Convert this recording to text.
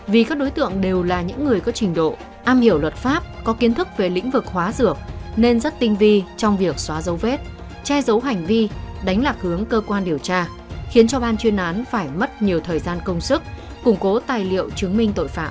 vì các đối tượng đều là những người có trình độ am hiểu luật pháp có kiến thức về lĩnh vực hóa dược nên rất tinh vi trong việc xóa dấu vết che dấu hành vi đánh lạc hướng cơ quan điều tra khiến cho ban chuyên án phải mất nhiều thời gian công sức củng cố tài liệu chứng minh tội phạm